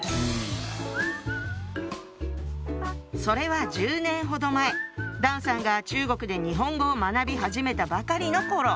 それは１０年ほど前段さんが中国で日本語を学び始めたばかりの頃。